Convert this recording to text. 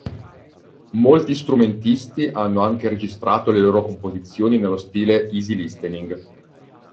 Molti strumentisti hanno anche registrato le loro composizioni nello stile "easy listening".